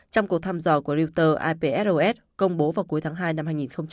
trong cuộc thăm dò của reuters ipros công bố vào cuối tháng hai năm hai nghìn hai mươi bốn